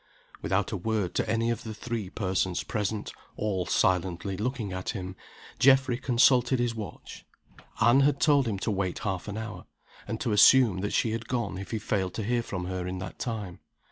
Without a word to any one of the three persons present, all silently looking at him, Geoffrey consulted his watch. Anne had told him to wait half an hour, and to assume that she had gone if he failed to hear from her in that time.